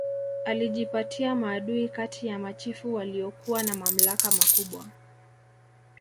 Alijipatia maadui kati ya machifu waliokuwa na mamlaka makubwa